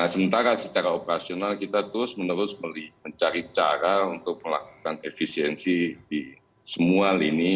sementara secara operasional kita terus menerus mencari cara untuk melakukan efisiensi di semua lini